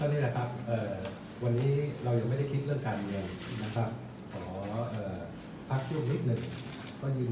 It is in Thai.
หรือว่าประตานกลุ่มกลุ่มกันหรือว่าประตานกลุ่มต่างหรือว่าประตานกลุ่มต่าง